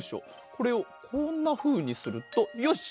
これをこんなふうにするとよし！